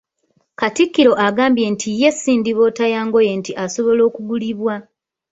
Katikkiro agambye nti ye si ndiboota yangoye nti asobola okugulibwa.